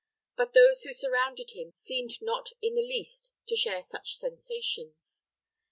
But those who surrounded him seemed not in the least to share such sensations.